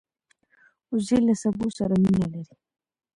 وزې له سبو سره مینه لري